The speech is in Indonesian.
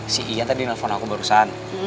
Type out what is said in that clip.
si iya tadi nelfon aku barusan